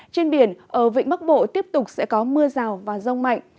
trên biển ở vịnh bắc bộ tiếp tục sẽ có mưa rào và rông mạnh